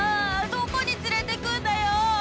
どこに連れてくんだよ！